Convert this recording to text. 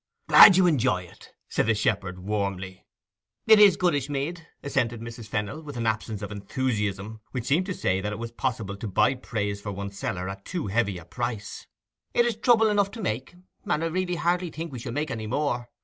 'Glad you enjoy it!' said the shepherd warmly. 'It is goodish mead,' assented Mrs. Fennel, with an absence of enthusiasm which seemed to say that it was possible to buy praise for one's cellar at too heavy a price. 'It is trouble enough to make—and really I hardly think we shall make any more.